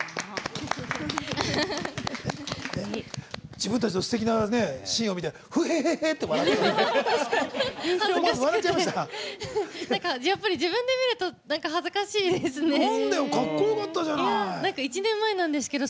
自分たちのすてきなシーンを見てフヘヘヘって笑ってましたけど。